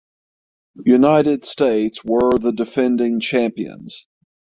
United States were the defending champions.